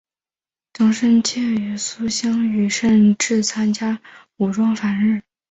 张深切与苏芗雨甚至参加武装反日。